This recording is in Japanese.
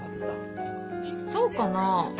そうかな。